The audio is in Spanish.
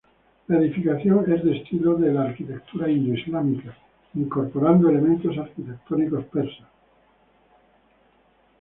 La edificación es de estilo de la arquitectura indo-islámica, incorporando elementos arquitectónicos persas.